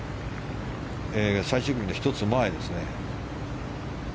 最終組の１つ前ですね。